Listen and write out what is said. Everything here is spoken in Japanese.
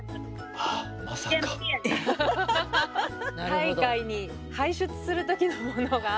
体外に排出する時のものが。